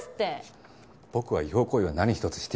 僕は違法行為は何一つしていません。